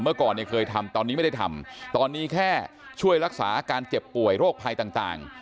เมื่อก่อนเนี่ยเคยทำตอนนี้ไม่ได้ทำตอนนี้แค่ช่วยรักษาอาการเจ็บป่วยโรคภัยต่าง